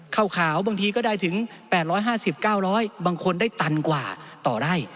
ข้าวขาวบางทีก็ได้ถึง๘๕๐๙๐๐บางคนได้ตันกว่าต่อไร่